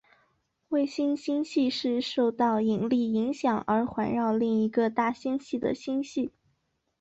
卫星星系是受到引力影响而环绕另一个大星系的星系。